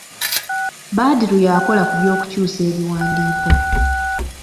Badru yakola ku by'okukyusa ebiwandiiko.